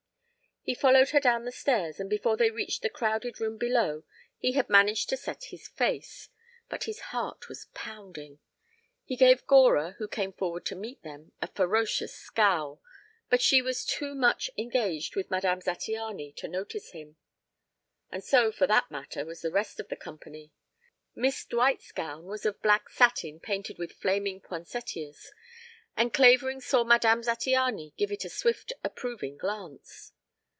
He followed her down the stairs and before they reached the crowded room below he had managed to set his face; but his heart was pounding. He gave Gora, who came forward to meet them, a ferocious scowl, but she was too much engaged with Madame Zattiany to notice him; and so, for that matter, was the rest of the company. Miss Dwight's gown was of black satin painted with flaming poinsettias, and Clavering saw Madame Zattiany give it a swift approving glance.